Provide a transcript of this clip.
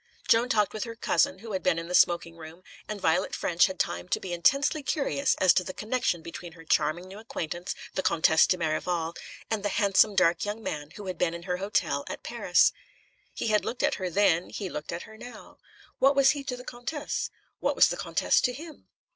Joan talked with her "cousin," who had been in the smoking room, and Violet Ffrench had time to be intensely curious as to the connection between her charming new acquaintance, the Comtesse de Merival, and the handsome, dark young man who had been in her hotel at Paris. He had looked at her then; he looked at her now. What was he to the Comtesse? what was the Comtesse to him?